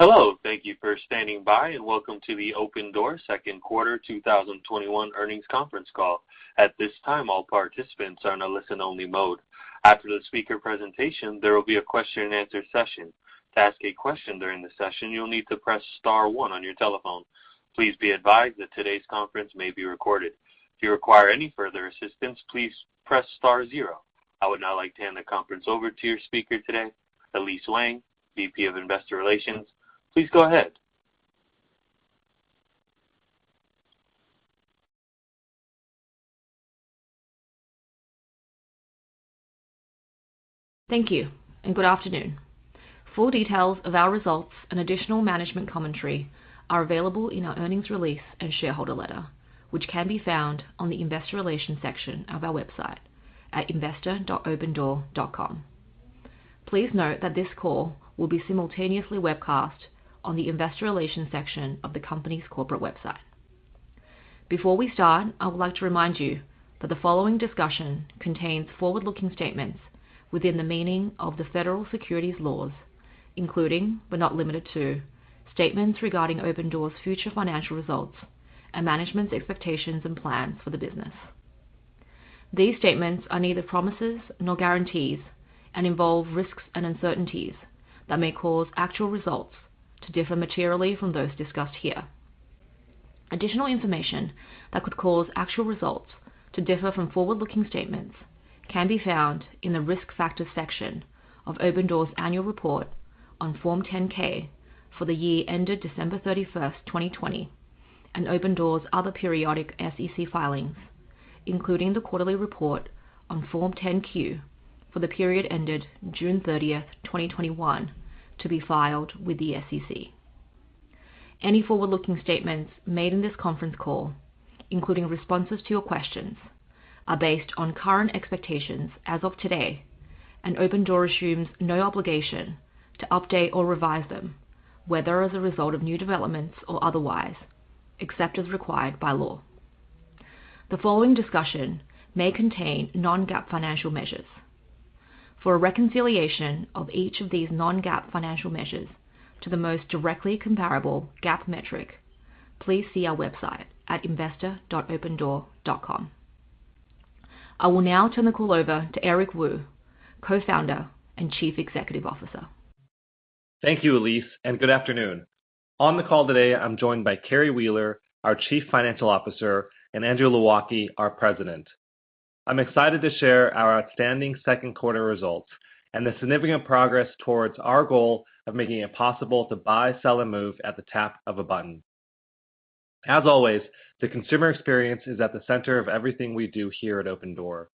I would now like to hand the conference over to your speaker today, Elise Wang, VP of Investor Relations. Please go ahead. Thank you, and good afternoon. Full details of our results and additional management commentary are available in our earnings release and shareholder letter, which can be found on the investor relations section of our website at investor.opendoor.com. Please note that this call will be simultaneously webcast on the investor relations section of the company's corporate website. Before we start, I would like to remind you that the following discussion contains forward-looking statements within the meaning of the Federal Securities laws, including, but not limited to, statements regarding Opendoor's future financial results and management's expectations and plans for the business. These statements are neither promises nor guarantees and involve risks and uncertainties that may cause actual results to differ materially from those discussed here. Additional information that could cause actual results to differ from forward-looking statements can be found in the Risk Factors section of Opendoor's annual report on Form 10-K for the year ended December 31st, 2020 and Opendoor's other periodic SEC filings, including the quarterly report on Form 10-Q for the period ended June 30th, 2021 to be filed with the SEC. Any forward-looking statements made in this conference call, including responses to your questions, are based on current expectations as of today, and Opendoor assumes no obligation to update or revise them, whether as a result of new developments or otherwise, except as required by law. The following discussion may contain non-GAAP financial measures. For a reconciliation of each of these non-GAAP financial measures to the most directly comparable GAAP metric, please see our website at investor.opendoor.com. I will now turn the call over to Eric Wu, Co-Founder and Chief Executive Officer. Thank you, Elise, and good afternoon. On the call today, I'm joined by Carrie Wheeler, our Chief Financial Officer, and Andrew Low Ah Kee, our President. I'm excited to share our outstanding second quarter results and the significant progress towards our goal of making it possible to buy, sell, and move at the tap of a button. As always, the consumer experience is at the center of everything we do here at Opendoor.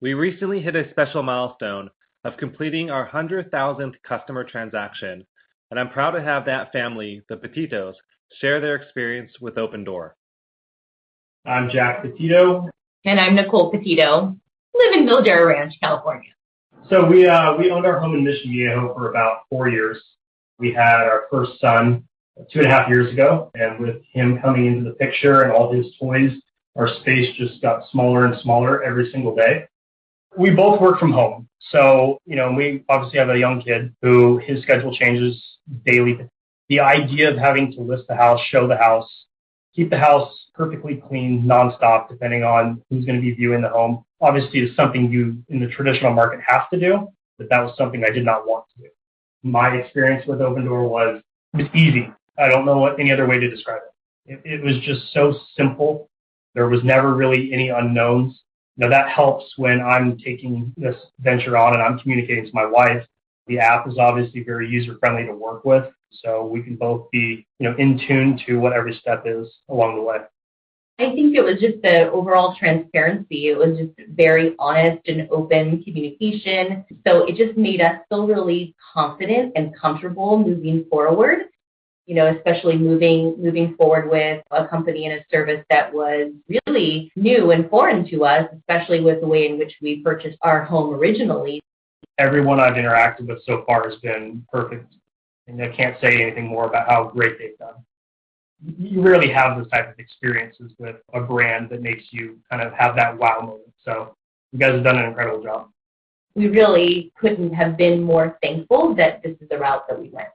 We recently hit a special milestone of completing our hundred thousandth customer transaction, and I'm proud to have that family, the Petittos, share their experience with Opendoor. I'm Jack Petitto. I'm Nicole Petitto. We live in Ladera Ranch, California. We owned our home in Mission Viejo for about four years. We had our first son 2.5 years ago, and with him coming into the picture and all of his toys, our space just got smaller and smaller every single day. We both work from home, we obviously have a young kid who his schedule changes daily. The idea of having to list the house, show the house, keep the house perfectly clean nonstop, depending on who's going to be viewing the home, obviously is something you in the traditional market have to do. That was something I did not want to do. My experience with Opendoor was, it was easy. I don't know any other way to describe it. It was just so simple. There was never really any unknowns. That helps when I'm taking this venture on and I'm communicating to my wife. The app is obviously very user-friendly to work with, so we can both be in tune to what every step is along the way. I think it was just the overall transparency. It was just very honest and open communication. It just made us feel really confident and comfortable moving forward, especially moving forward with a company and a service that was really new and foreign to us, especially with the way in which we purchased our home originally. Everyone I've interacted with so far has been perfect, and I can't say anything more about how great they've done. You rarely have those type of experiences with a brand that makes you kind of have that wow moment. You guys have done an incredible job. We really couldn't have been more thankful that this is the route that we went.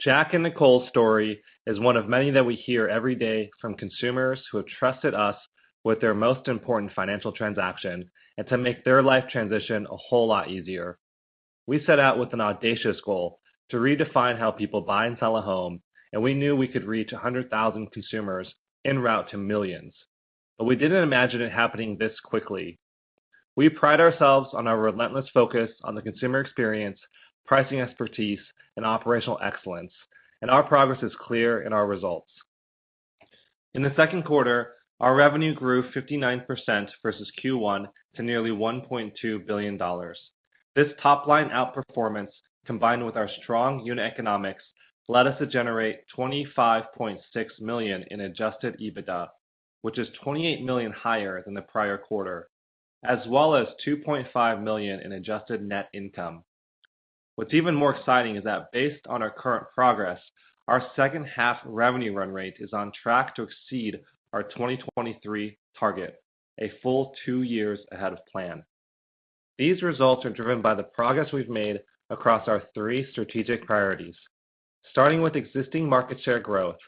Jack and Nicole's story is one of many that we hear every day from consumers who have trusted us with their most important financial transaction, and to make their life transition a whole lot easier. We set out with an audacious goal to redefine how people buy and sell a home, and we knew we could reach 100,000 consumers en route to millions. We didn't imagine it happening this quickly. We pride ourselves on our relentless focus on the consumer experience, pricing expertise, and operational excellence, and our progress is clear in our results. In the second quarter, our revenue grew 59% versus Q1 to nearly $1.2 billion. This top-line outperformance, combined with our strong unit economics, led us to generate $25.6 million in adjusted EBITDA, which is $28 million higher than the prior quarter, as well as $2.5 million in adjusted net income. What's even more exciting is that based on our current progress, our second half revenue run rate is on track to exceed our 2023 target a full two years ahead of plan. These results are driven by the progress we've made across our three strategic priorities. Starting with existing market share growth,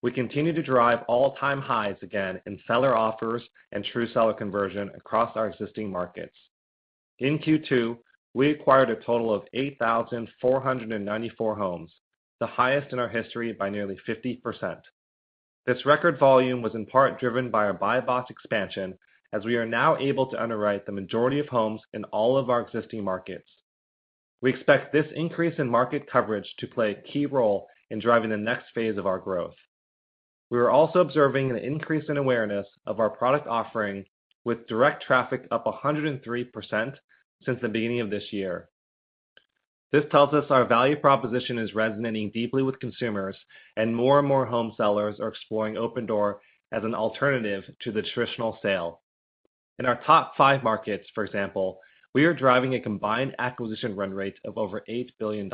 we continue to drive all-time highs again in seller offers and true seller conversion across our existing markets. In Q2, we acquired a total of 8,494 homes, the highest in our history by nearly 50%. This record volume was in part driven by our buybox expansion, as we are now able to underwrite the majority of homes in all of our existing markets. We expect this increase in market coverage to play a key role in driving the next phase of our growth. We are also observing an increase in awareness of our product offering with direct traffic up 103% since the beginning of this year. This tells us our value proposition is resonating deeply with consumers, and more and more home sellers are exploring Opendoor as an alternative to the traditional sale. In our top five markets, for example, we are driving a combined acquisition run rate of over $8 billion.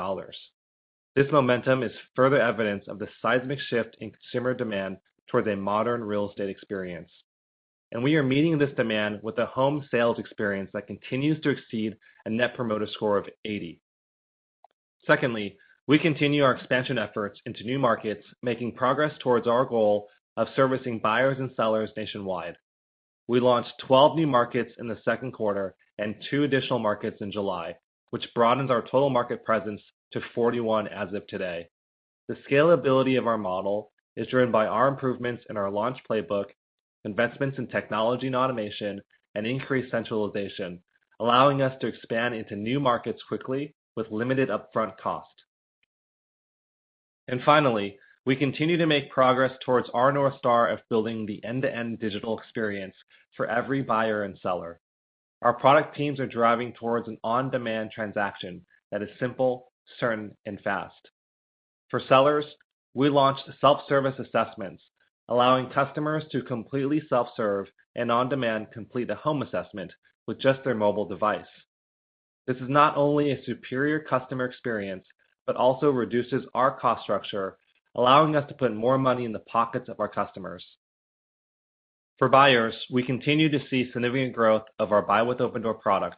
This momentum is further evidence of the seismic shift in consumer demand towards a modern real estate experience, and we are meeting this demand with a home sales experience that continues to exceed a net promoter score of 80. We continue our expansion efforts into new markets, making progress towards our goal of servicing buyers and sellers nationwide. We launched 12 new markets in the second quarter and two additional markets in July, which broadens our total market presence to 41 as of today. The scalability of our model is driven by our improvements in our launch playbook, investments in technology and automation, and increased centralization, allowing us to expand into new markets quickly with limited upfront cost. Finally, we continue to make progress towards our North Star of building the end-to-end digital experience for every buyer and seller. Our product teams are driving towards an on-demand transaction that is simple, certain, and fast. For sellers, we launched self-service assessments, allowing customers to completely self-serve and on-demand complete a home assessment with just their mobile device. This is not only a superior customer experience, but also reduces our cost structure, allowing us to put more money in the pockets of our customers. For buyers, we continue to see significant growth of our Buy with Opendoor product,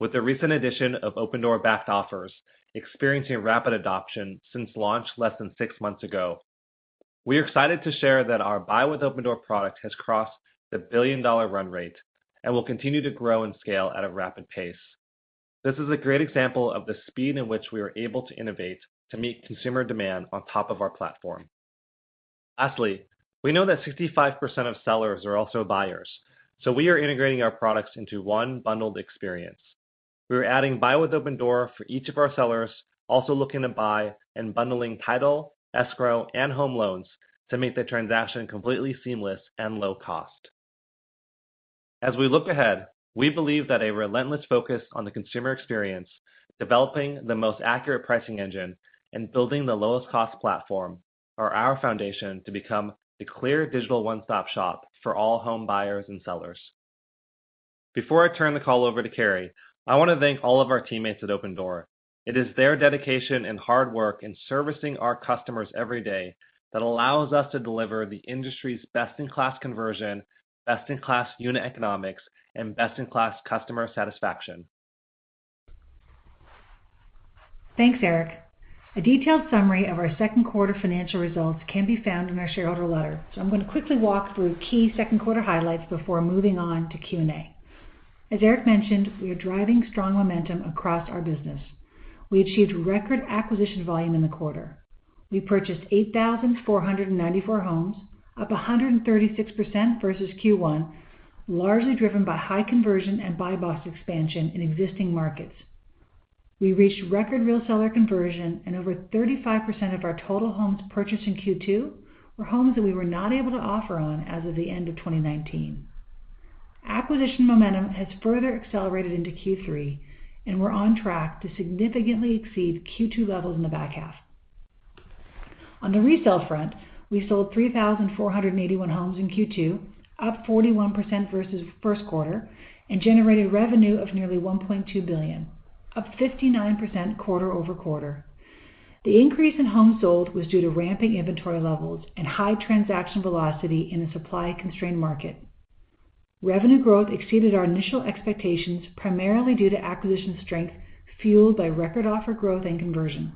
with the recent addition of Opendoor-backed offers, experiencing rapid adoption since launch less than six months ago. We are excited to share that our Buy with Opendoor product has crossed the billion dollar run rate and will continue to grow and scale at a rapid pace. This is a great example of the speed in which we are able to innovate to meet consumer demand on top of our platform. We know that 65% of sellers are also buyers, so we are integrating our products into one bundled experience. We are adding Buy with Opendoor for each of our sellers also looking to buy and bundling title, escrow, and home loans to make the transaction completely seamless and low cost. As we look ahead, we believe that a relentless focus on the consumer experience, developing the most accurate pricing engine, and building the lowest cost platform are our foundation to become the clear digital one-stop-shop for all home buyers and sellers. Before I turn the call over to Carrie, I want to thank all of our teammates at Opendoor. It is their dedication and hard work in servicing our customers every day that allows us to deliver the industry's best-in-class conversion, best-in-class unit economics, and best-in-class customer satisfaction. Thanks, Eric. A detailed summary of our second quarter financial results can be found in our shareholder letter, so I'm going to quickly walk through key second-quarter highlights before moving on to Q&A. As Eric mentioned, we are driving strong momentum across our business. We achieved record acquisition volume in the quarter. We purchased 8,494 homes, up 136% versus Q1, largely driven by high conversion and buybox expansion in existing markets. We reached record real seller conversion and over 35% of our total homes purchased in Q2 were homes that we were not able to offer on as of the end of 2019. Acquisition momentum has further accelerated into Q3, and we're on track to significantly exceed Q2 levels in the back half. On the resale front, we sold 3,481 homes in Q2, up 41% versus first quarter, and generated revenue of nearly $1.2 billion, up 59% quarter-over-quarter. The increase in homes sold was due to ramping inventory levels and high transaction velocity in a supply-constrained market. Revenue growth exceeded our initial expectations, primarily due to acquisition strength fueled by record offer growth and conversion.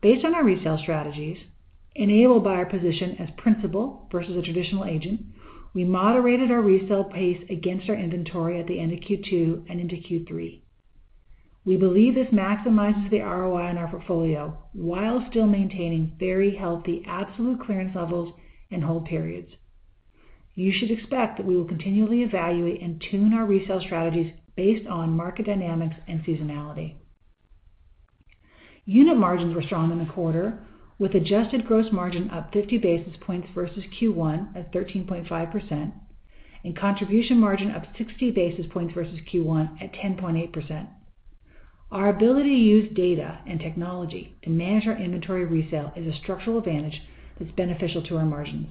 Based on our resale strategies, enabled by our position as principal versus a traditional agent, we moderated our resale pace against our inventory at the end of Q2 and into Q3. We believe this maximizes the ROI on our portfolio while still maintaining very healthy absolute clearance levels and hold periods. You should expect that we will continually evaluate and tune our resale strategies based on market dynamics and seasonality. Unit margins were strong in the quarter, with adjusted gross margin up 50 basis points versus Q1 at 13.5% and contribution margin up 60 basis points versus Q1 at 10.8%. Our ability to use data and technology to manage our inventory resale is a structural advantage that's beneficial to our margins.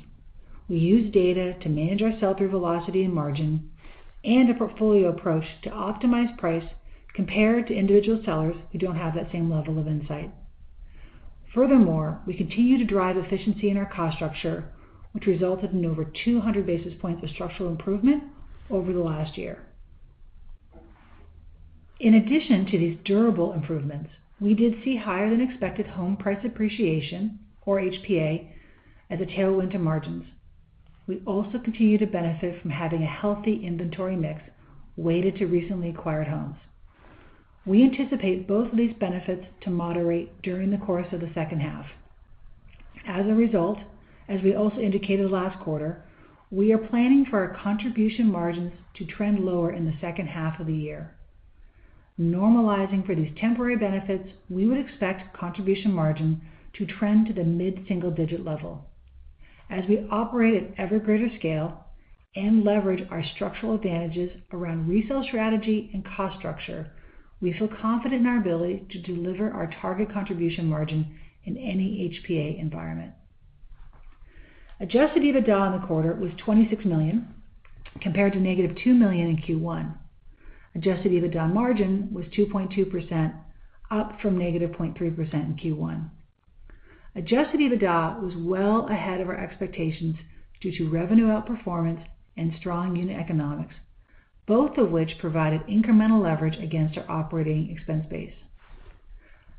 We use data to manage our sell-through velocity and margin and a portfolio approach to optimize price compared to individual sellers who don't have that same level of insight. Furthermore, we continue to drive efficiency in our cost structure, which resulted in over 200 basis points of structural improvement over the last year. In addition to these durable improvements, we did see higher than expected home price appreciation, or HPA, as a tailwind to margins. We also continue to benefit from having a healthy inventory mix weighted to recently acquired homes. We anticipate both of these benefits to moderate during the course of the second half. As a result, as we also indicated last quarter, we are planning for our contribution margins to trend lower in the second half of the year. Normalizing for these temporary benefits, we would expect contribution margin to trend to the mid-single digit level. As we operate at ever greater scale and leverage our structural advantages around resale strategy and cost structure, we feel confident in our ability to deliver our target contribution margin in any HPA environment. Adjusted EBITDA in the quarter was $26 million, compared to -$2 million in Q1. Adjusted EBITDA margin was 2.2%, up from -0.3% in Q1. Adjusted EBITDA was well ahead of our expectations due to revenue outperformance and strong unit economics, both of which provided incremental leverage against our operating expense base.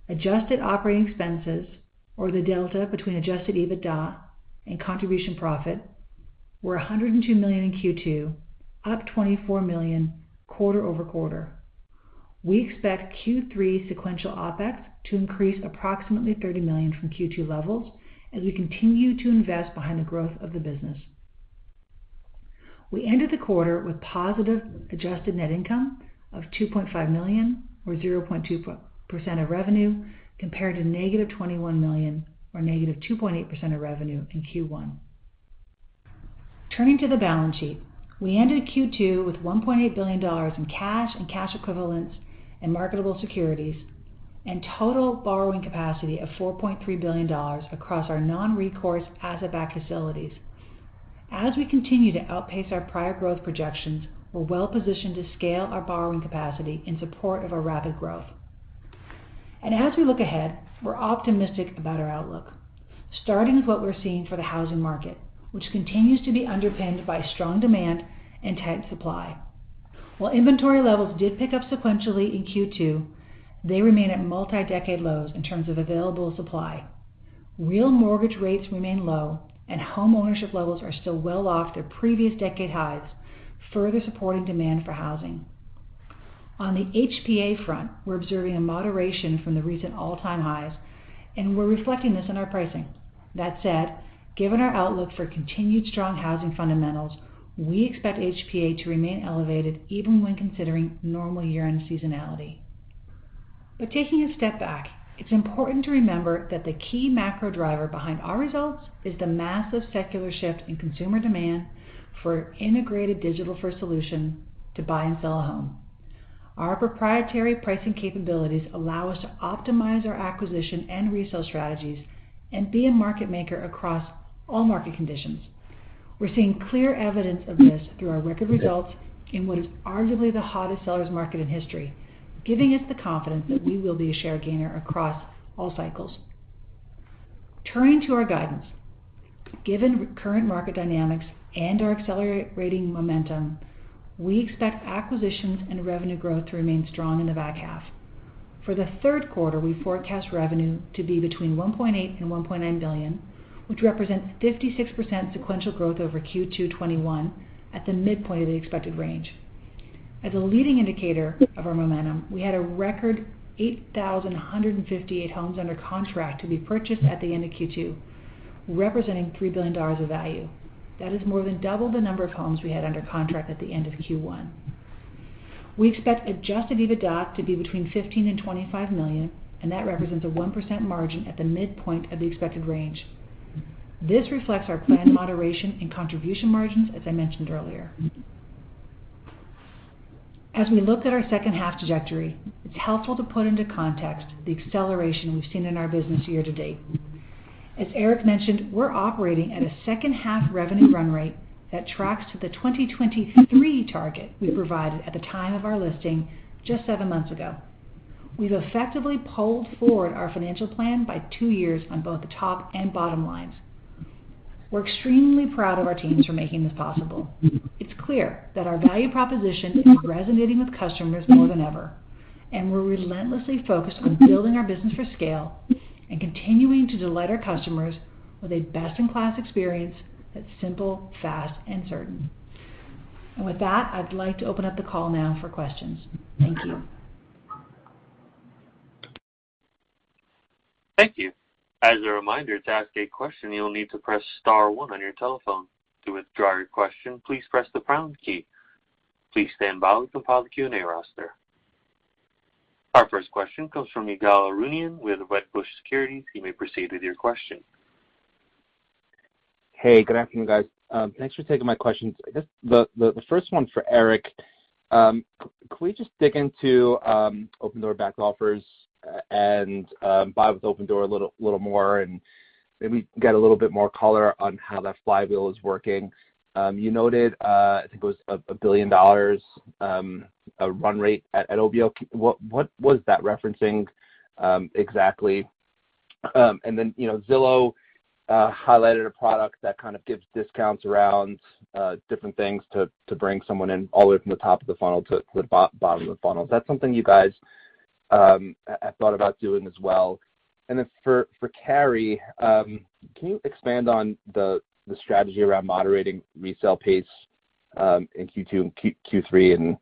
Adjusted operating expenses, or the delta between adjusted EBITDA and contribution profit, were $102 million in Q2, up $24 million quarter-over-quarter. We expect Q3 sequential OpEx to increase approximately $30 million from Q2 levels as we continue to invest behind the growth of the business. We ended the quarter with positive adjusted net income of $2.5 million, or 0.2% of revenue, compared to -$21 million, or -2.8% of revenue in Q1. Turning to the balance sheet, we ended Q2 with $1.8 billion in cash and cash equivalents in marketable securities and total borrowing capacity of $4.3 billion across our non-recourse asset-backed facilities. As we continue to outpace our prior growth projections, we're well-positioned to scale our borrowing capacity in support of our rapid growth. As we look ahead, we're optimistic about our outlook, starting with what we're seeing for the housing market, which continues to be underpinned by strong demand and tight supply. While inventory levels did pick up sequentially in Q2, they remain at multi-decade lows in terms of available supply. Real mortgage rates remain low, and home ownership levels are still well off their previous decade highs, further supporting demand for housing. On the HPA front, we're observing a moderation from the recent all-time highs, and we're reflecting this in our pricing. That said, given our outlook for continued strong housing fundamentals, we expect HPA to remain elevated even when considering normal year-end seasonality. Taking a step back, it's important to remember that the key macro driver behind our results is the massive secular shift in consumer demand for integrated digital-first solution to buy and sell a home. Our proprietary pricing capabilities allow us to optimize our acquisition and resale strategies and be a market maker across all market conditions. We're seeing clear evidence of this through our record results in what is arguably the hottest sellers market in history, giving us the confidence that we will be a share gainer across all cycles. Turning to our guidance. Given current market dynamics and our accelerating momentum, we expect acquisitions and revenue growth to remain strong in the back half. For the third quarter, we forecast revenue to be between $1.8 and $1.9 billion, which represents 56% sequential growth over Q2 2021 at the midpoint of the expected range. As a leading indicator of our momentum, we had a record 8,158 homes under contract to be purchased at the end of Q2, representing $3 billion of value. That is more than double the number of homes we had under contract at the end of Q1. We expect adjusted EBITDA to be between $15 million and $25 million, and that represents a 1% margin at the midpoint of the expected range. This reflects our planned moderation in contribution margins, as I mentioned earlier. As we look at our second half trajectory, it's helpful to put into context the acceleration we've seen in our business year to date. As Eric mentioned, we're operating at a second half revenue run rate that tracks to the 2023 target we provided at the time of our listing just seven months ago. We've effectively pulled forward our financial plan by two years on both the top and bottom lines. We're extremely proud of our teams for making this possible. It's clear that our value proposition is resonating with customers more than ever, and we're relentlessly focused on building our business for scale and continuing to delight our customers with a best-in-class experience that's simple, fast, and certain. With that, I'd like to open up the call now for questions. Thank you. Thank you. As a reminder, to ask a question, you'll need to press star one on your telephone. To withdraw your question, please press the pound key. Please stand by while we compile the Q&A roster. Our first question comes from Ygal Arounian with Wedbush Securities. You may proceed with your question. Hey, good afternoon, guys. Thanks for taking my questions. I guess the first one's for Eric. Could we just dig into Opendoor-backed offers and Buy with Opendoor a little more, and maybe get a little bit more color on how that flywheel is working? You noted, I think it was $1 billion, a run rate at OBO. What was that referencing exactly? Zillow highlighted a product that kind of gives discounts around different things to bring someone in all the way from the top of the funnel to the bottom of the funnel. Is that something you guys have thought about doing as well? For Carrie, can you expand on the strategy around moderating resale pace in Q2 and Q3,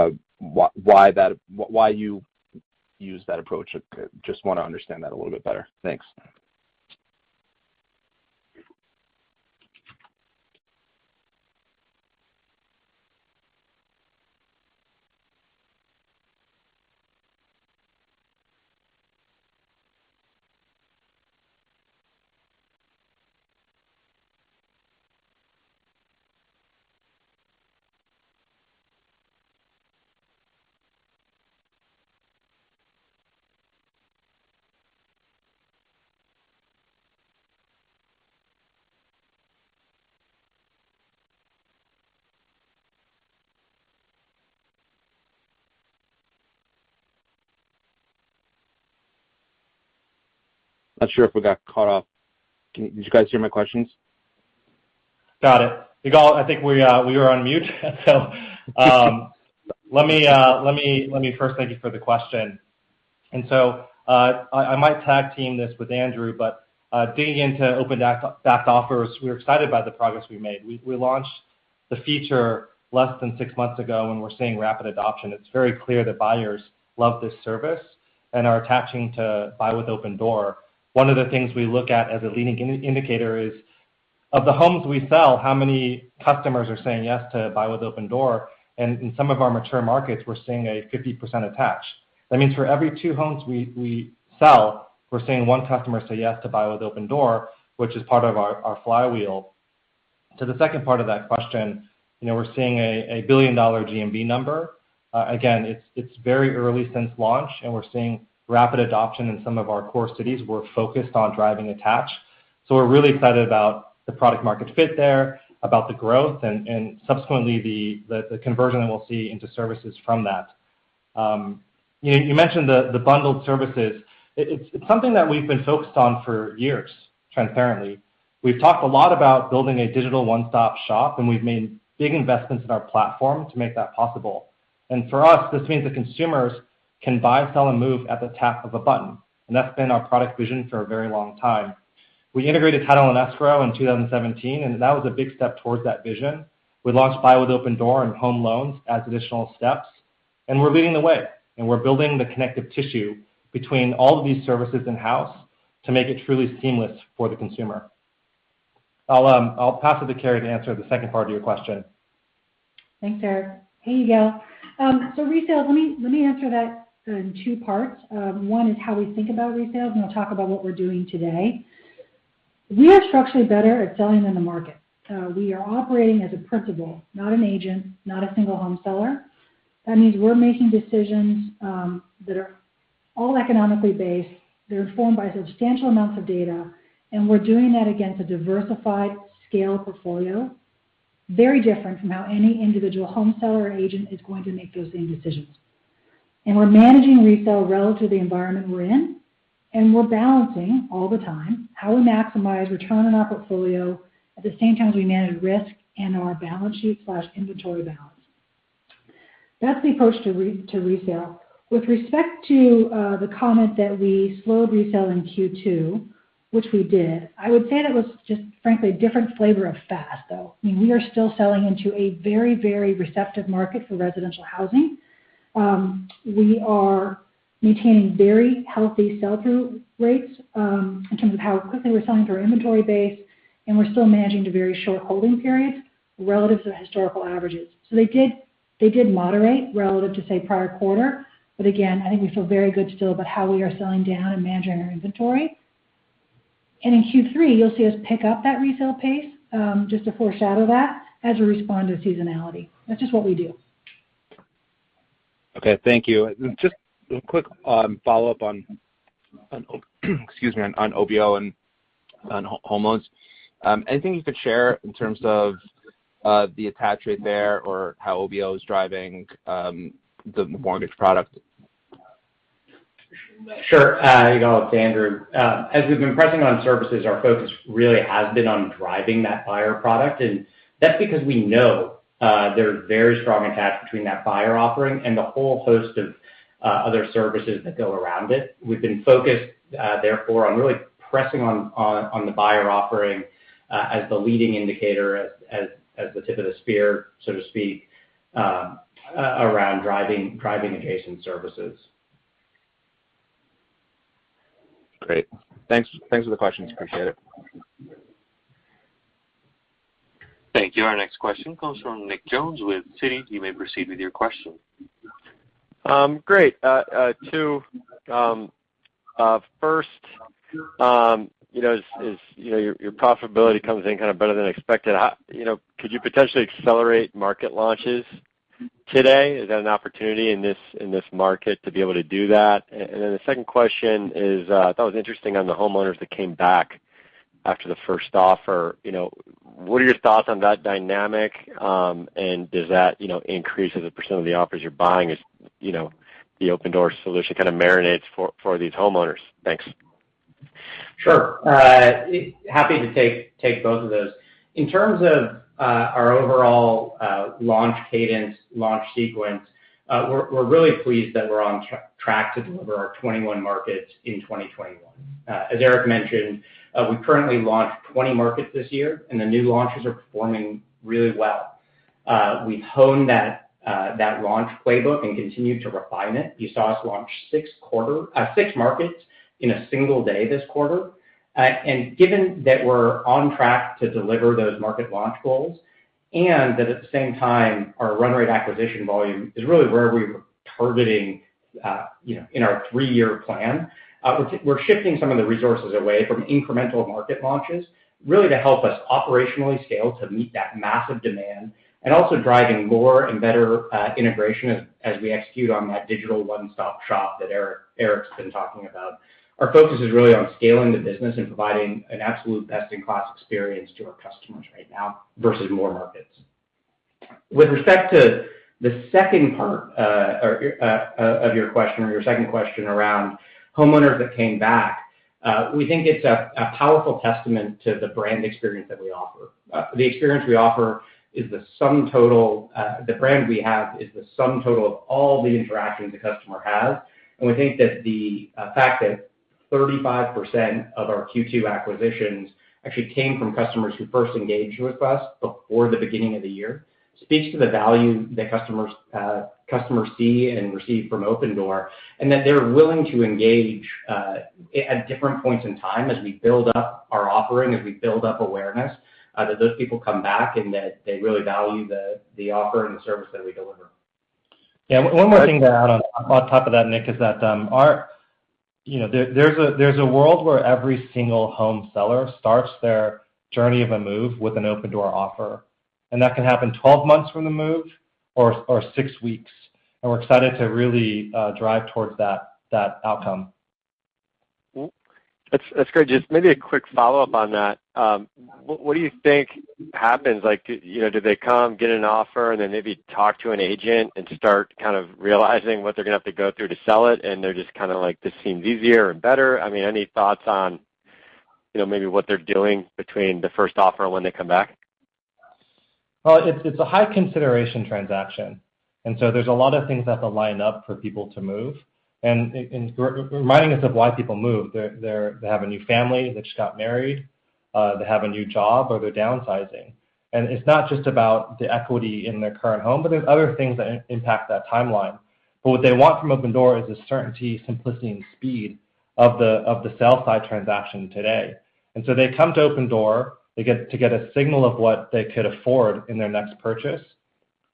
and why you use that approach? I just want to understand that a little bit better. Thanks. Not sure if we got caught off. Did you guys hear my questions? Got it. Ygal, I think we were on mute. Let me first thank you for the question. I might tag-team this with Andrew, but digging into Opendoor-backed offers, we're excited about the progress we made. We launched the feature less than six months ago, and we're seeing rapid adoption. It's very clear that buyers love this service and are attaching to Buy with Opendoor. One of the things we look at as a leading indicator is, of the homes we sell, how many customers are saying yes to Buy with Opendoor? In some of our mature markets, we're seeing a 50% attach. That means for every two homes we sell, we're seeing one customer say yes to Buy with Opendoor, which is part of our flywheel. To the second part of that question, we're seeing a billion-dollar GMV number. It's very early since launch, and we're seeing rapid adoption in some of our core cities. We're focused on driving attach. We're really excited about the product market fit there, about the growth, and subsequently, the conversion that we'll see into services from that. You mentioned the bundled services. It's something that we've been focused on for years, transparently. We've talked a lot about building a digital one-stop shop, and we've made big investments in our platform to make that possible. For us, this means that consumers can buy, sell, and move at the tap of a button, and that's been our product vision for a very long time. We integrated title and escrow in 2017, and that was a big step towards that vision. We launched Buy with Opendoor and home loans as additional steps, and we're leading the way, and we're building the connective tissue between all of these services in-house to make it truly seamless for the consumer. I'll pass it to Carrie to answer the second part of your question. Thanks, Eric. Hey, Ygal. Resale, let me answer that in two parts. One is how we think about resale, and then I'll talk about what we're doing today. We are structurally better at selling than the market. We are operating as a principal, not an agent, not a single home seller. That means we're making decisions that are all economically based. They're informed by substantial amounts of data, and we're doing that against a diversified scale portfolio. Very different from how any individual home seller or agent is going to make those same decisions. We're managing resale relative to the environment we're in, and we're balancing all the time how we maximize return on our portfolio, at the same time as we manage risk and our balance sheet/inventory balance. That's the approach to resale. With respect to the comment that we slowed resale in Q2, which we did, I would say that was just frankly a different flavor of fast, though. I mean, we are still selling into a very, very receptive market for residential housing. We are maintaining very healthy sell-through rates in terms of how quickly we're selling through our inventory base, and we're still managing to very short holding periods relative to historical averages. They did moderate relative to, say, prior quarter. Again, I think we feel very good still about how we are selling down and managing our inventory. In Q3, you'll see us pick up that resale pace, just to foreshadow that, as we respond to seasonality. That's just what we do. Okay. Thank you. Just a quick follow-up on OBO and on home loans. Anything you could share in terms of the attach rate there or how OBO is driving the mortgage product? Sure. Ygal, it's Andrew. As we've been pressing on services, our focus really has been on driving that buyer product. That's because we know there's very strong attach between that buyer offering and the whole host of other services that go around it. We've been focused, therefore, on really pressing on the buyer offering as the leading indicator, as the tip of the spear, so to speak, around driving adjacent services. Great. Thanks for the questions. Appreciate it. Thank you. Our next question comes from Nick Jones with Citi. You may proceed with your question. Great. Two. First, as your profitability comes in better than expected, could you potentially accelerate market launches today? Is that an opportunity in this market to be able to do that? The second question is, I thought it was interesting on the homeowners that came back after the first offer. What are your thoughts on that dynamic? Does that increase as a percent of the offers you're buying as the Opendoor solution kind of marinates for these homeowners? Thanks. Sure. Happy to take both of those. In terms of our overall launch cadence, launch sequence, we're really pleased that we're on track to deliver our 21 markets in 2021. As Eric mentioned, we currently launched 20 markets this year, and the new launches are performing really well. We've honed that launch playbook and continue to refine it. You saw us launch six markets in a single day this quarter. Given that we're on track to deliver those market launch goals, and that at the same time, our run rate acquisition volume is really where we were targeting in our three-year plan. We're shifting some of the resources away from incremental market launches, really to help us operationally scale to meet that massive demand. Also driving more and better integration as we execute on that digital one-stop shop that Eric's been talking about. Our focus is really on scaling the business and providing an absolute best-in-class experience to our customers right now, versus more markets. With respect to the second part of your question or your second question around homeowners that came back, we think it's a powerful testament to the brand experience that we offer. The brand we have is the sum total of all the interactions a customer has. We think that the fact that 35% of our Q2 acquisitions actually came from customers who first engaged with us before the beginning of the year speaks to the value that customers see and receive from Opendoor. That they're willing to engage at different points in time as we build up our offering, as we build up awareness, that those people come back and that they really value the offer and the service that we deliver. Yeah. One more thing to add on top of that, Nick, is that there's a world where every single home seller starts their journey of a move with an Opendoor offer. That can happen 12 months from the move or six weeks. We're excited to really drive towards that outcome. That's great. Just maybe a quick follow-up on that. What do you think happens? Do they come, get an offer, and then maybe talk to an agent and start kind of realizing what they're going to have to go through to sell it, and they're just kind of like, this seems easier and better? Any thoughts on maybe what they're doing between the first offer and when they come back? Well, it's a high consideration transaction. There's a lot of things that have to line up for people to move. Reminding us of why people move. They have a new family, they just got married, they have a new job, or they're downsizing. It's not just about the equity in their current home, but there's other things that impact that timeline. What they want from Opendoor is the certainty, simplicity, and speed of the sell-side transaction today. They come to Opendoor to get a signal of what they could afford in their next purchase,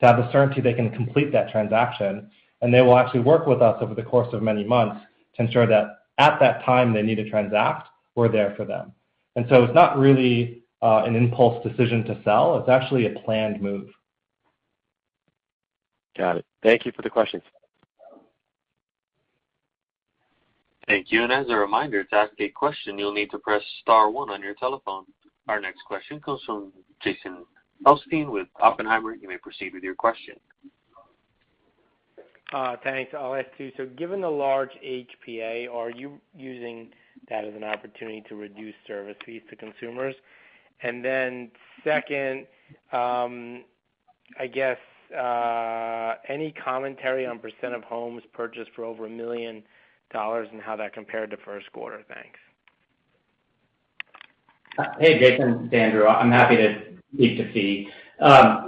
to have the certainty they can complete that transaction. They will actually work with us over the course of many months to ensure that at that time they need to transact, we're there for them. It's not really an impulse decision to sell. It's actually a planned move. Got it. Thank you for the questions. Thank you. As a reminder, to ask a question, you'll need to press star one on your telephone. Our next question comes from Jason Helfstein with Oppenheimer. You may proceed with your question. Thanks. I'll ask two. Given the large HPA, are you using that as an opportunity to reduce service fees to consumers? Second, any commentary on percent of homes purchased for over $1 million and how that compared to first quarter? Thanks. Hey, Jason, it's Andrew. I'm happy to speak to fee.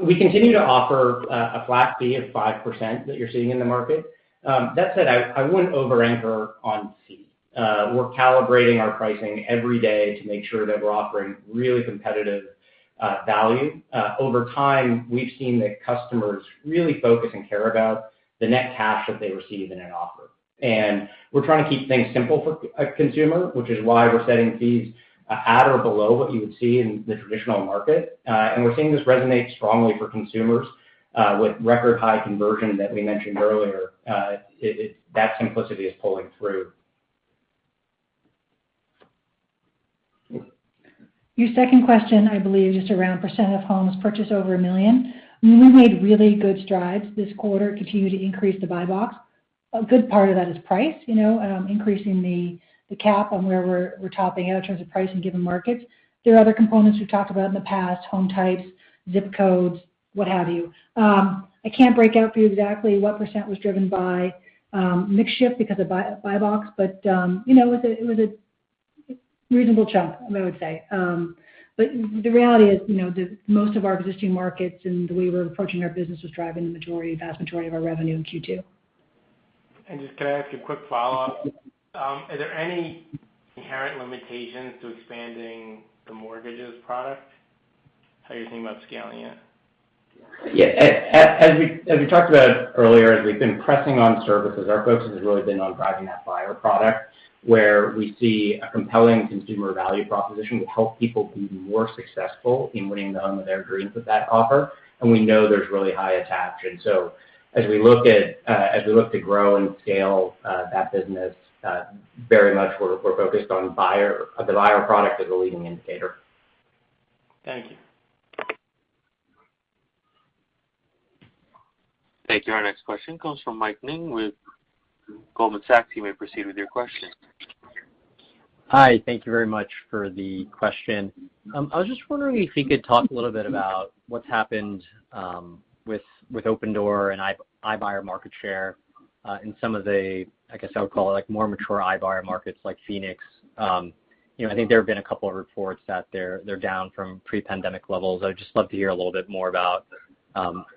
We continue to offer a flat fee of 5% that you're seeing in the market. That said, I wouldn't over anchor on fee. We're calibrating our pricing every day to make sure that we're offering really competitive value. Over time, we've seen that customers really focus and care about the net cash that they receive in an offer. We're trying to keep things simple for a consumer, which is why we're setting fees at or below what you would see in the traditional market. We're seeing this resonate strongly for consumers, with record high conversion that we mentioned earlier. That simplicity is pulling through. Your second question, I believe, just around percent of homes purchased over $1 million. We made really good strides this quarter, continue to increase the buybox. A good part of that is price, increasing the cap on where we're topping out in terms of price in given markets. There are other components we've talked about in the past, home types, zip codes, what have you. I can't break out for you exactly what percent was driven by mix shift because of buybox, but it was a reasonable chunk, I would say. The reality is, most of our existing markets and the way we're approaching our business was driving the vast majority of our revenue in Q2. Just can I ask a quick follow-up? Are there any inherent limitations to expanding the mortgages product? How are you thinking about scaling it? Yeah. As we talked about earlier, as we've been pressing on services, our focus has really been on driving that buyer product, where we see a compelling consumer value proposition will help people be more successful in winning the home of their dreams with that offer. We know there's really high attach. As we look to grow and scale that business, very much we're focused on the buyer product as a leading indicator. Thank you. Thank you. Our next question comes from Mike Ng with Goldman Sachs. You may proceed with your question. Hi, thank you very much for the question. I was just wondering if you could talk a little bit about what's happened with Opendoor and iBuyer market share in some of the, I guess I would call it more mature iBuyer markets like Phoenix. I think there have been a couple of reports that they're down from pre-pandemic levels. I would just love to hear a little bit more about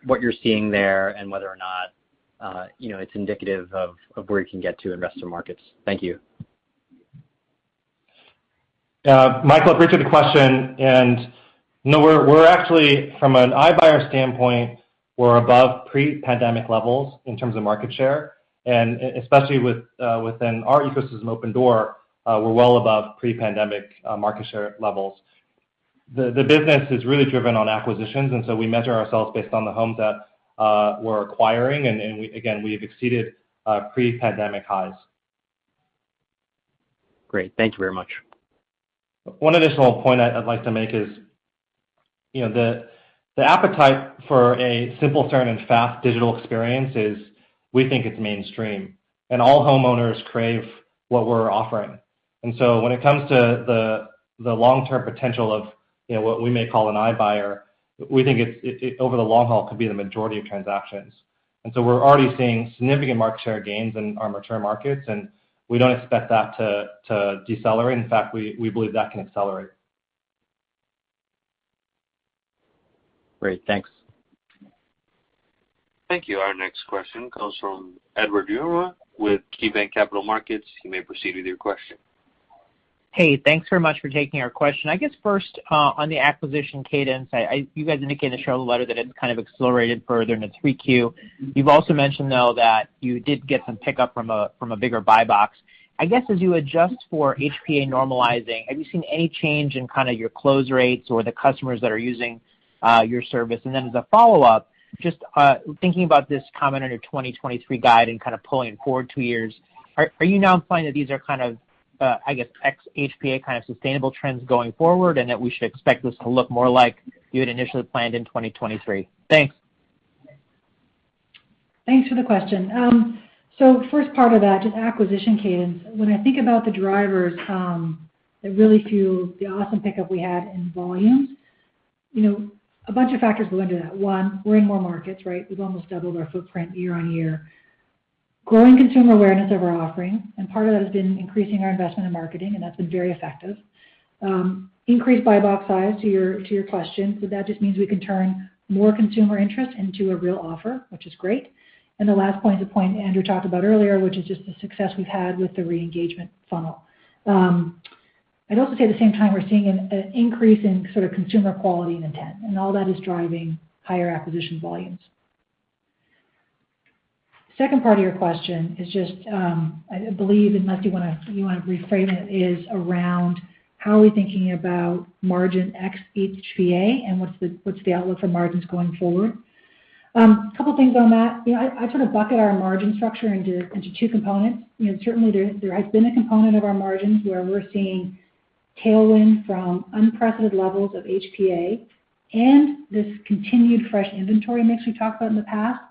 what you're seeing there and whether or not it's indicative of where you can get to in the rest of the markets. Thank you. Mike, I'll briefly the question. No, we're actually, from an iBuyer standpoint, we're above pre-pandemic levels in terms of market share, and especially within our ecosystem, Opendoor, we're well above pre-pandemic market share levels. The business is really driven on acquisitions, and so we measure ourselves based on the homes that we're acquiring. Again, we've exceeded pre-pandemic highs. Great. Thank you very much. One additional point I'd like to make is, the appetite for a simple, certain and fast digital experience is, we think it's mainstream. All homeowners crave what we're offering. When it comes to the long-term potential of what we may call an iBuyer, we think over the long haul, it could be the majority of transactions. We're already seeing significant market share gains in our mature markets, and we don't expect that to decelerate. In fact, we believe that can accelerate. Great, thanks. Thank you. Our next question comes from Edward Yruma with KeyBanc Capital Markets. You may proceed with your question. Hey, thanks very much for taking our question. I guess first, on the acquisition cadence, you guys indicate in the shareholder letter that it's kind of accelerated further into 3Q. You've also mentioned, though, that you did get some pickup from a bigger buybox. I guess as you adjust for HPA normalizing, have you seen any change in your close rates or the customers that are using your service? Then as a follow-up, just thinking about this comment on your 2023 guide and pulling it forward two years, are you now implying that these are, I guess, ex HPA kind of sustainable trends going forward, and that we should expect this to look more like you had initially planned in 2023? Thanks. Thanks for the question. First part of that, just acquisition cadence. When I think about the drivers that really fueled the awesome pickup we had in volume, a bunch of factors go into that. One, we're in more markets, right? We've almost doubled our footprint year-on-year. Growing consumer awareness of our offering, and part of that has been increasing our investment in marketing, and that's been very effective. Increased buybox size, to your question. That just means we can turn more consumer interest into a real offer, which is great. The last point is a point Andrew talked about earlier, which is just the success we've had with the re-engagement funnel. I'd also say at the same time, we're seeing an increase in consumer quality and intent, and all that is driving higher acquisition volumes. Second part of your question is just, I believe, unless you want to reframe it, is around how are we thinking about margin ex HPA, and what's the outlook for margins going forward? Couple things on that. I sort of bucket our margin structure into two components. Certainly, there has been a component of our margins where we're seeing tailwind from unprecedented levels of HPA and this continued fresh inventory mix we talked about in the past.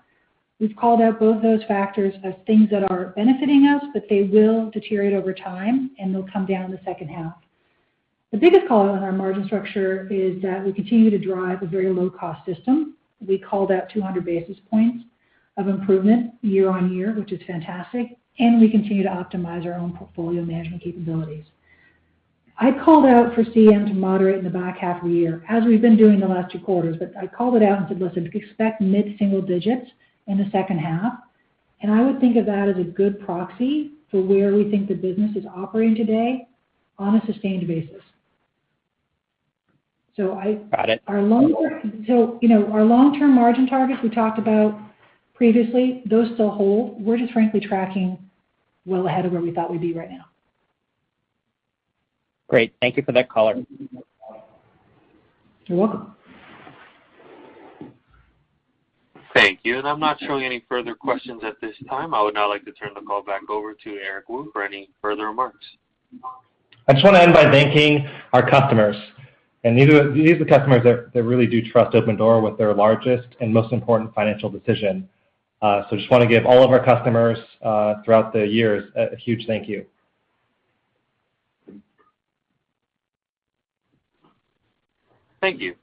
We've called out both those factors as things that are benefiting us, but they will deteriorate over time, and they'll come down in the second half. The biggest call out on our margin structure is that we continue to drive a very low-cost system. We called out 200 basis points of improvement year-on-year, which is fantastic, and we continue to optimize our own portfolio management capabilities. I called out for CM to moderate in the back half of the year, as we've been doing the last two quarters. I called it out and said, listen, expect mid-single digits in the second half. I would think of that as a good proxy for where we think the business is operating today on a sustained basis. Got it. Our long-term margin targets we talked about previously, those still hold. We're just frankly tracking well ahead of where we thought we'd be right now. Great. Thank you for that color. You're welcome. Thank you. I'm not showing any further questions at this time. I would now like to turn the call back over to Eric Wu for any further remarks. I just want to end by thanking our customers. These are the customers that really do trust Opendoor with their largest and most important financial decision. Just want to give all of our customers throughout the years a huge thank you. Thank you.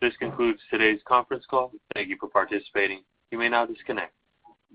This concludes today's conference call. Thank you for participating. You may now disconnect.